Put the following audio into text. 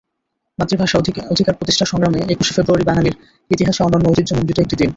মাতৃভাষা অধিকার প্রতিষ্ঠার সংগ্রামে একুশে ফেব্রুয়ারি বাঙালির ইতিহাসে অনন্য ঐতিহ্যমণ্ডিত একটি দিন।